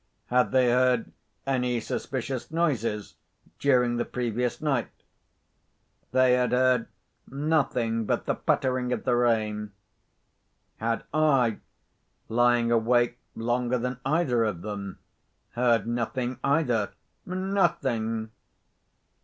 Had they heard any suspicious noises during the previous night? They had heard nothing but the pattering of the rain. Had I, lying awake longer than either of them, heard nothing either? Nothing!